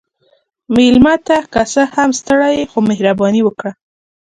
مېلمه ته که څه هم ستړی يې، خو مهرباني وکړه.